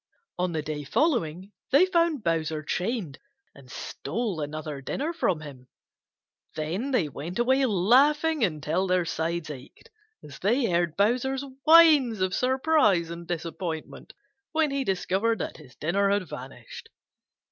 On the day following they found Bowser chained and stole another dinner from him; then they went away laughing until their sides ached as they heard Bowser's whines of surprise and disappointment when he discovered that his dinner had vanished.